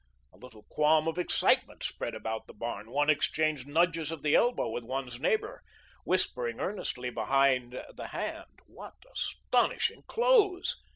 A little qualm of excitement spread around the barn. One exchanged nudges of the elbow with one's neighbour, whispering earnestly behind the hand. What astonishing clothes!